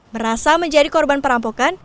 merasa menjadi korban perampokan